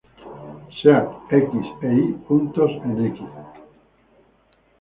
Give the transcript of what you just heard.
Sean "x" y "y" puntos en "X".